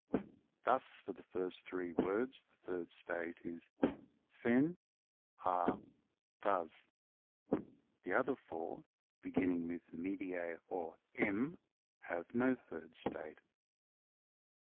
Thus, for the first three words the third state is Fen, Har, Thds. The other four, beginning with medics or m, have no third state.